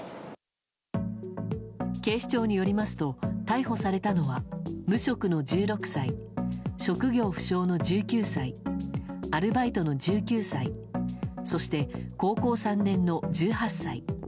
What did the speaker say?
警視庁によりますと逮捕されたのは無職の１６歳、職業不詳の１９歳アルバイトの１９歳そして、高校３年の１８歳。